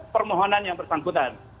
permohonan yang bersangkutan